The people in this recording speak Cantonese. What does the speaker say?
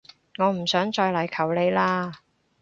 我唔想再嚟求你喇